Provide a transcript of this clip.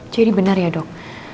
jadi benar ya dok